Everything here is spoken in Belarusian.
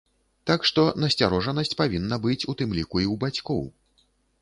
Так што насцярожанасць павінна быць у тым ліку і ў бацькоў.